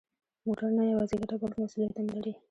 موټر نه یوازې ګټه، بلکه مسؤلیت هم لري.